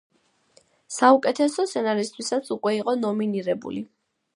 საუკეთესო სცენარისთვისაც უკვე იყო ნომინირებული.